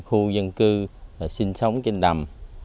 khu dân cư sinh sống trên đầm